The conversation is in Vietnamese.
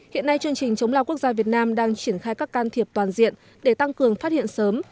hiện nay chương trình chống lao quốc gia việt nam đang triển khai các can thiệp toàn diện để tăng cường phát hiện sớm